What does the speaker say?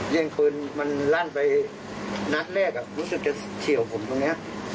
เย็นปืนมันลั่นไปนัดแรกรู้สึกจะเฉียวผมตรงนี้